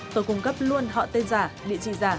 tôi cung cấp luôn họ tên giả địa chỉ giả